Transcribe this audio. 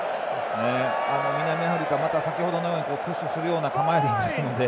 南アフリカはまた、先程のようにプッシュするような構えですので。